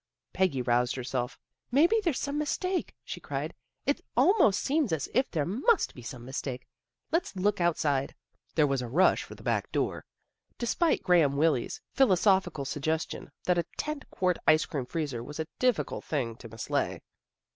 Peggy roused herself. " Maybe there's some mistake," she cried. " It almost seems as if there must be some mistake. Let's look out side." There was a rush for the back door, despite Graham Wylie's philosophical suggestion that a ten quart ice cream freezer was a difficult thing to mislay.